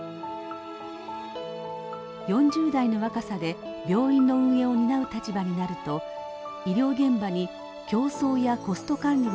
４０代の若さで病院の運営を担う立場になると医療現場に競争やコスト管理の概念を導入。